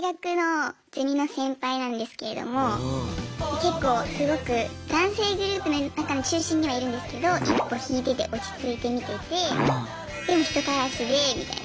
結構すごく男性グループの中の中心にはいるんですけど一歩引いてて落ち着いて見ててでも人たらしでみたいな。